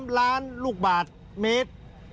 ๓ล้านลูกบาทเมตร